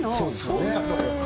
そうなのよ！